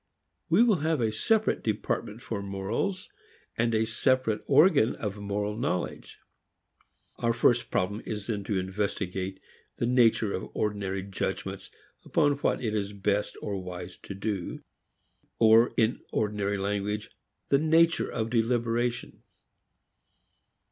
We will have a separate department for morals and a separate organ of moral knowledge. Our first problem is then to investigate the nature of ordinary judgments upon what it is best or wise to do, or, in ordinary language, the nature of deliberation.